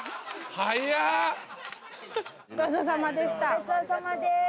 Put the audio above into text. ごちそうさまでした。